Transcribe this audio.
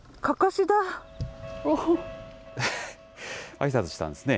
あいさつしたんですね。